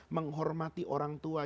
menghormati orang tua